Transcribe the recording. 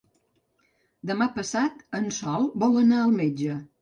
Demà passat en Sol vol anar al metge.